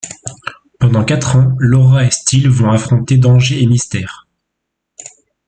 Pendant quatre ans Laura et Steele vont affronter dangers et mystères.